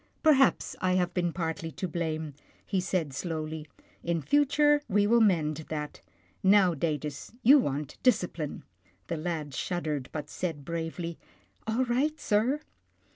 " Perhaps I have been partly to blame," he said slowly. " In future, we will mend that. Now, Datus, you want discipline." The lad shuddered, but said bravely, " All right, sir."